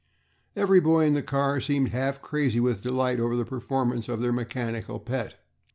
Every boy in the car seemed half crazy with delight over the performance of their mechanical pet.